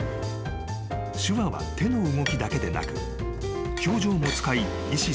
［手話は手の動きだけでなく表情も使い意思疎通を図る］